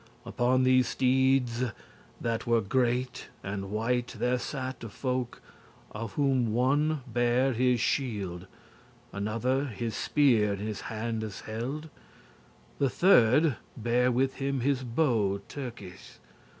Upon these steedes, that were great and white, There satte folk, of whom one bare his shield, Another his spear in his handes held; The thirde bare with him his bow Turkeis*, *Turkish.